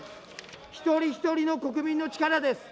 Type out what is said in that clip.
一人一人の国民の力です。